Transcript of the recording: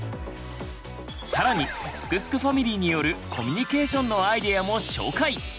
更にすくすくファミリーによるコミュニケーションのアイデアも紹介！